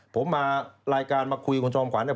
ผมมารายการมาคุยคุณจอมขวัญเนี่ย